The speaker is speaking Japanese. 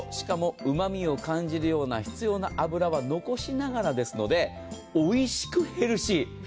うま味を感じるような必要な脂は残しながらですのでおいしくヘルシー。